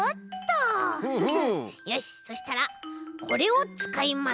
よしそしたらこれをつかいます！